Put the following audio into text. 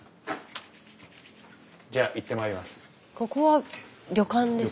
じゃあいってまいります。